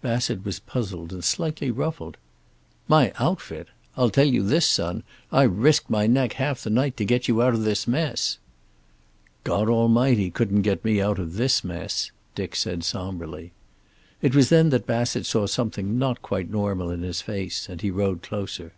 Bassett was puzzled and slightly ruffled. "My outfit! I'll tell you this, son, I've risked my neck half the night to get you out of this mess." "God Almighty couldn't get me out of this mess," Dick said somberly. It was then that Bassett saw something not quite normal in his face, and he rode closer.